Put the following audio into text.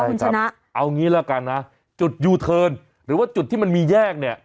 คุณชนะเอางี้ละกันนะจุดยูเทิร์นหรือว่าจุดที่มันมีแยกเนี่ย